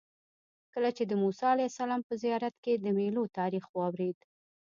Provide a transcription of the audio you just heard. کله چې د موسی علیه السلام په زیارت کې د میلو تاریخ واورېد.